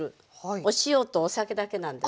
お塩とお酒だけなんです。